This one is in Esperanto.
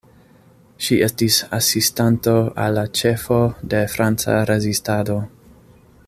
Ŝi estis asistanto al la ĉefo de Franca rezistado.